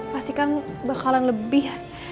pasti kan bakalan lebih